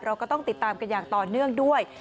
เราก็ต้องติดตามกันอย่างต่อเนื่องด้วย